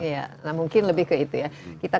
ya nah mungkin lebih ke itu ya kita